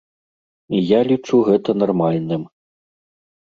І я лічу гэта нармальным.